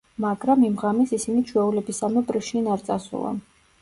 მაგრამ, იმ ღამეს ისინი ჩვეულებისამებრ შინ არ წასულან.